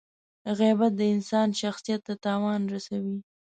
• غیبت د انسان شخصیت ته تاوان رسوي.